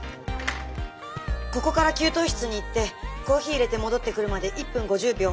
ここから給湯室に行ってコーヒーいれて戻ってくるまで１分５０秒。